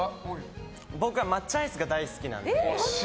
僕は抹茶アイスが大好きなので。